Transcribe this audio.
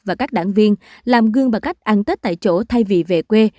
và các đảng viên làm gương bằng cách ăn tết tại chỗ thay vì về quê